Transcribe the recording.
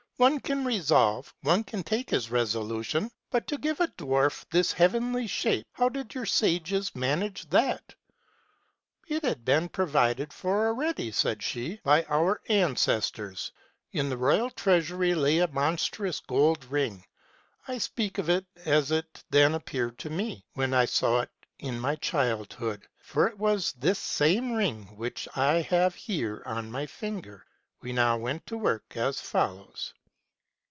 One can resolve, one can take his resolution ; but, to give a dwarf this heavenly shape, how did your sages man age that ?'" 'It had been provided for already,' said she, 'by our ancestors. In the royal treasury lay a monstrous gold ring. I speak of it as it then appeared to me, when I saw it in my childhood ; for it was this same ring which I have here on my finger. We now went to work as follows.